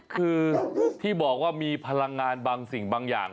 คือที่บอกว่ามีพลังงานบางสิ่งบางอย่าง